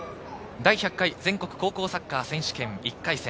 第１００回全国高校サッカー選手権１回戦。